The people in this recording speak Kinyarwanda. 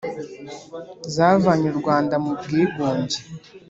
zavanye u Rwanda mu bwigunge